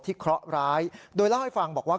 เคราะห์ร้ายโดยเล่าให้ฟังบอกว่า